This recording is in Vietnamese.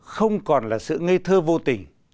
không còn là sự ngây thơ vô tình